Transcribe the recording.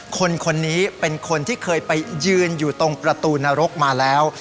คนนี้เป็นคนที่เคยไปยืนอยู่ตรงประตูนรกมาแล้ว